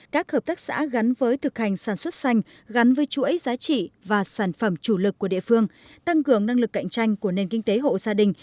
các hợp tác xã gắn với thực hành sản xuất xanh gắn với chuỗi giá trị và sản phẩm chủ lực của địa phương tăng cường năng lực cạnh tranh của nền kinh tế hộ gia đình